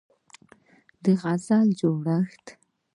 د غزل جوړښت